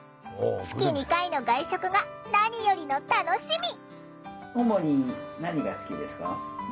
月２回の外食が何よりの楽しみ！